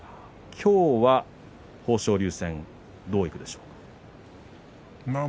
今日は豊昇龍戦どういくでしょうか。